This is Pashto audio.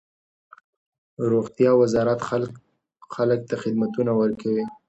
روغتیا وزارت خلک ته خدمتونه ورکوي.